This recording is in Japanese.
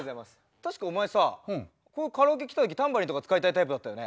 確かお前さカラオケ来た時タンバリンとか使いたいタイプだったよね。